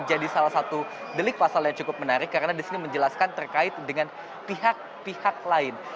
salah satu delik pasal yang cukup menarik karena disini menjelaskan terkait dengan pihak pihak lain